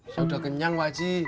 saya udah kenyang wajib